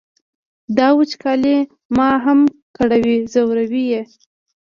دا وچکالي ما هم کړوي ځوروي یې.